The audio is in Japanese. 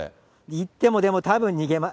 行ってもたぶん、でもたぶん、逃げます。